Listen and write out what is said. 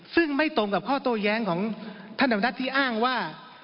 ซึ่งไม่ตรงกับข้อโต้แย้งของท่านธรรมนัฐที่อ้างว่า